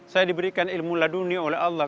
saya diberikan ilmu ladunya oleh allah